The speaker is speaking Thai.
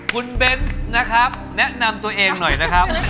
คุณเบนส์นะครับแนะนำตัวเองหน่อยนะครับ